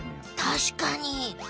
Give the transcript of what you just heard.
たしかに！